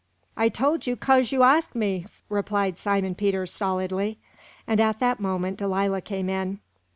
"I tole you kase you arsk me," replied Simon Peter, stolidly; and at that moment Delilah came in.